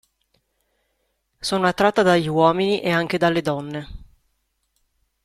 Sono attratta dagli uomini e anche dalle donne.